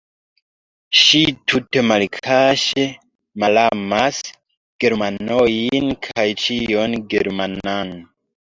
Ŝi tute malkaŝe malamas germanojn kaj ĉion germanan.